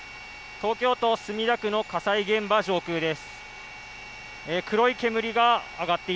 東京都墨田区の火災現場上空です。